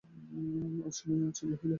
আজ শুনিয়া আশ্চর্য হইল।